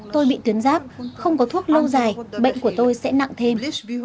tôi bị tuyến giáp không có thuốc lâu dài bệnh của tôi sẽ nặng thêm